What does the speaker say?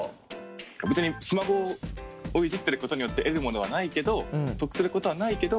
別にスマホをいじってることによって得るものはないけど得することはないけど